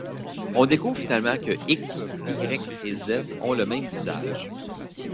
On découvre finalement que X, Y et Z ont le même visage.